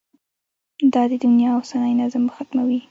دا د دنیا اوسنی نظم به ختموي.